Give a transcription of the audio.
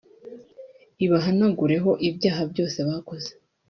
ibahanagureho ibyaha byose bakoze